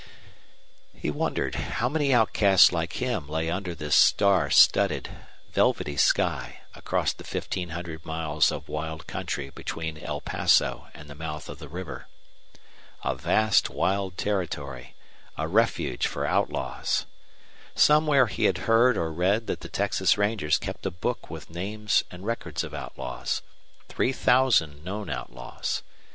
He wondered how many outcasts like him lay under this star studded, velvety sky across the fifteen hundred miles of wild country between El Paso and the mouth of the river. A vast wild territory a refuge for outlaws! Somewhere he had heard or read that the Texas Rangers kept a book with names and records of outlaws three thousand known outlaws.